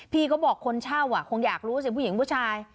พี่ก็บอกคนเช่าคงอยากรู้สิผู้หญิงผู้ชาย